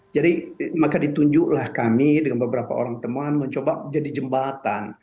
jadi maka ditunjuklah kami dengan beberapa orang teman mencoba jadi jembatan